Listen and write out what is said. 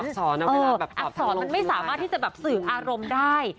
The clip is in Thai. อักษรมันไม่สามารถที่จะสื่ออารมณ์ได้